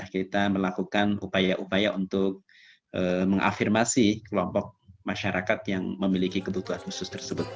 kita melakukan upaya upaya untuk mengafirmasi kelompok masyarakat yang memiliki kebutuhan khusus tersebut